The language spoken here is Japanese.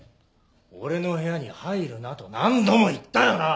俺の部屋に入るなと何度も言ったよな！？